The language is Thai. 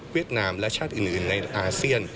นามและชาติอื่นในอาเซียน